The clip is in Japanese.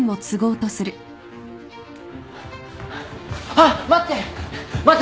あっ待って！